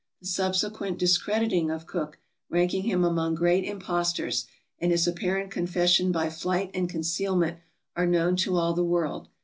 The subsequent discrediting of Cook, ranking him among great impostors, and his apparent confession by flight and concealment, are known to all the world.